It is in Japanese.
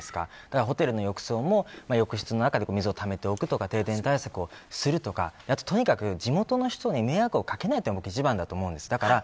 ホテルの浴槽も浴室の中で水をためておくとか停電対策をするとかとにかく、地元の人に迷惑をかけないというのが一番です。